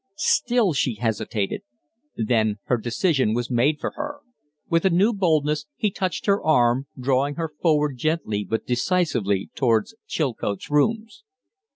Still she hesitated; then her decision was made for her. With a new boldness he touched her arm, drawing her forward gently but decisively towards Chilcote's rooms.